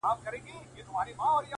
• ددې ښايستې نړۍ بدرنگه خلگ،